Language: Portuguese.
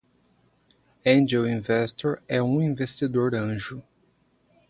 Angel Investor é um investidor anjo.